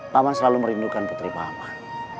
paman selalu merindukan putri paman